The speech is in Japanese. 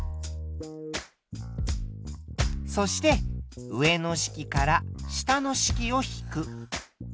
そして上の式から下の式を引く。